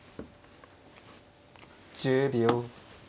１０秒。